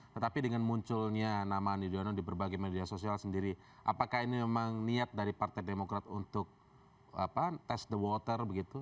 tetapi dengan munculnya nama ani yudhoyono di berbagai media sosial sendiri apakah ini memang niat dari partai demokrat untuk test the water begitu